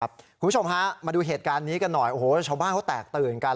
คุณผู้ชมฮะมาดูเหตุการณ์นี้กันหน่อยโอ้โหชาวบ้านเขาแตกตื่นกัน